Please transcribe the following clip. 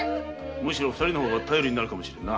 むしろ二人の方が頼りになるかもしれんな。